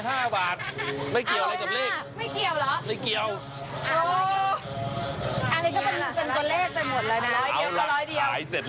ให้คุณพี่ขายของไปก่อนแป๊บนึงคุณผู้ชม